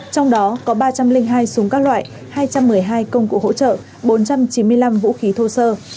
trong đó có ba trăm linh hai súng các loại hai trăm một mươi hai công cụ hỗ trợ bốn trăm chín mươi năm vũ khí thô sơ